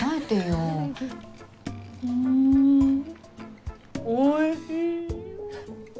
うーん、おいしい。